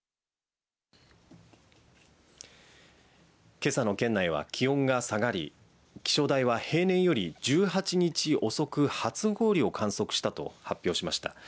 けさの県内は気温が下がり気象台は平年より１８日遅く初氷を観測したと発表しました。